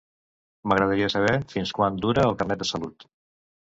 M'agradaria saber fins quan dura el Carnet de salut.